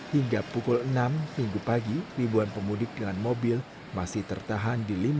hingga pukul enam minggu pagi ribuan pemudik dengan mobil masih tertahan di lima belas